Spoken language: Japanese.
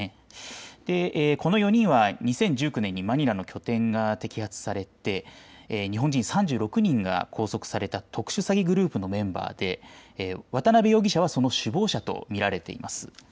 この４人は２０１９年にマニラの拠点が摘発されて日本人３６人が拘束された特殊詐欺グループのメンバーで渡邉容疑者はその首謀者と見られています。